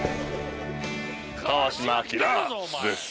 川島明です。